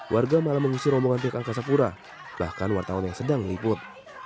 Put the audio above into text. warga malah mengusir rombongan pihak angkasa pura bahkan wartawan yang sedang meliput